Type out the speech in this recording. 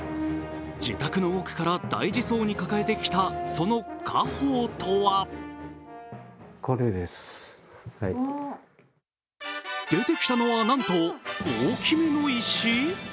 自宅の奥から大事そうに抱えてきた、その家宝とは出てきたのはなんと大きめの石。